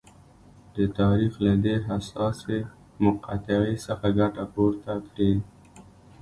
د تاریخ له دې حساسې مقطعې څخه ګټه پورته کړي.